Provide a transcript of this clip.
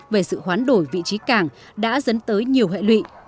về sự hoán đổi vị trí cảng đã dẫn tới nhiều hệ lụy